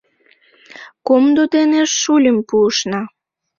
Комдо дене шӱльым пуышна.